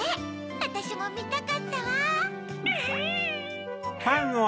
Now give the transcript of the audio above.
わたしもみたかったわぁ。